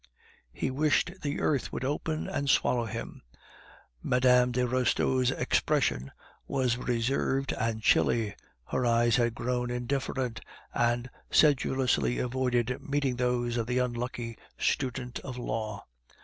He wished the earth would open and swallow him. Mme. de Restaud's expression was reserved and chilly, her eyes had grown indifferent, and sedulously avoided meeting those of the unlucky student of law.